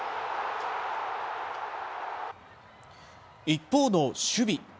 一方の守備。